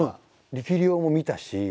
力量も見たし。